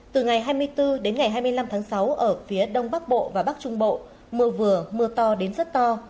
từ ngày hai mươi bốn đến ngày hai mươi năm tháng sáu ở phía đông bắc bộ và bắc trung bộ mưa vừa mưa to đến rất to